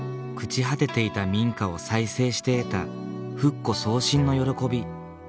朽ち果てていた民家を再生して得た復古創新の喜び。